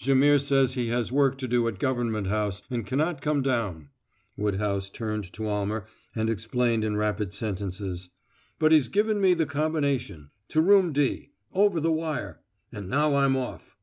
"Jaimihr says he has work to do at Government House and can not come down." Woodhouse turned to Almer and explained in rapid sentences. "But he's given me the combination to Room D over the wire, and now I'm off!"